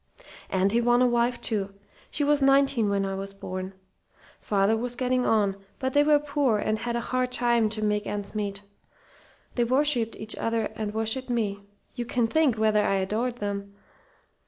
"And he won a wife, too. She was nineteen when I was born. Father was getting on, but they were poor and had a hard time to make ends meet. They worshipped each other and worshipped me. You can think whether I adored them!